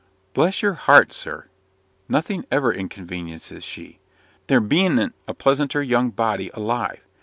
"Bless your heart, sir! nothing ever inconveniences she. There bean't a pleasanter young body alive.